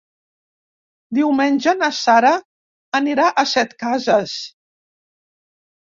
Diumenge na Sara anirà a Setcases.